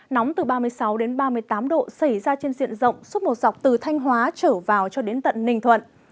nóng từ ba mươi sáu đến ba mươi tám độ xảy ra trên diện rộng suốt một dọc từ thanh hóa trở vào cho đến tận ninh thuận